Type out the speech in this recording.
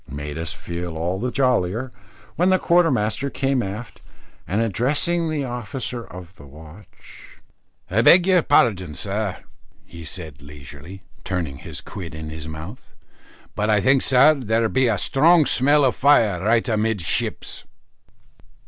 and made us feel all the jollier, when the quartermaster came aft, and addressing the officer of the watch "I beg your pardon, sir," he said, leisurely, turning his quid in his mouth, "but I think, sir, there be a strong smell of fire right amidships."